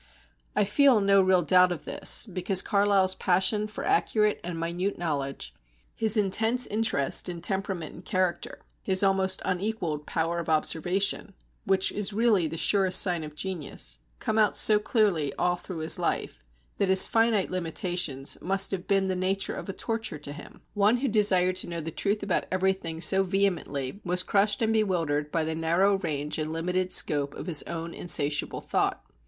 I feel no real doubt of this, because Carlyle's passion for accurate and minute knowledge, his intense interest in temperament and character, his almost unequalled power of observation which is really the surest sign of genius come out so clearly all through his life, that his finite limitations must have been of the nature of a torture to him. One who desired to know the truth about everything so vehemently, was crushed and bewildered by the narrow range and limited scope of his own insatiable thought.